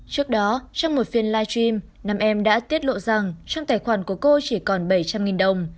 trước đó trong một phiên live stream năm em đã tiết lộ rằng trong tài khoản của cô chỉ còn bảy trăm linh đồng